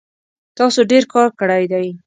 تاسو ډیر کار کړی دی